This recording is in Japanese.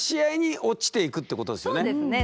そうですね。